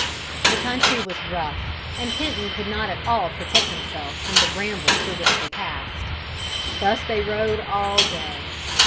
The country was rough and Kenton could not at all protect himself from the brambles through which they passed. Thus they rode all day.